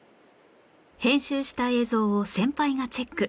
編集した映像を先輩がチェック